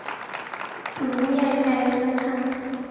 农业改良场